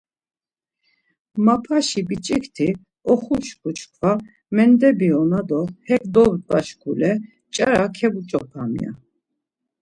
Mapaşi biç̌ikti oxuşku çkva Mendebiona do hek dobdva şkule nç̌ara kebuç̌opam ya.